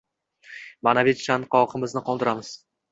maʼnaviy chanqog‘imizni qondiramiz.